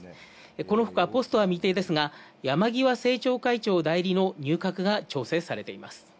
このほか、ポストは未定ですが山際政調会長代理の起用が調整されています。